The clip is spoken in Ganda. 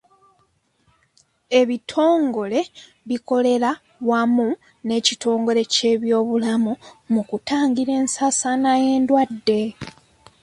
Ebitongole bikolera wamu n'ekitongole ky'ebyobulamu mu kutangira ensaasaana y'endwadde.